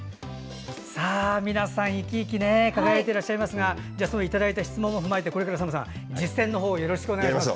皆さん、いきいき輝いていらっしゃいますがそのいただいた質問を踏まえてこれからＳＡＭさん実践の方をよろしくお願いします。